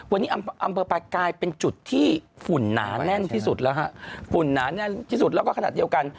วันนี้อำเภอปลายกลายเป็นจุดที่ฝุ่นหนาแน่นที่สุดแล้วฮะฝุ่นหนาแน่นที่สุดแล้วก็ขนาดเดียวกัน